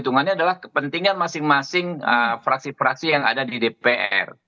kepentingannya adalah kepentingan masing masing fraksi fraksi yang ada di dpr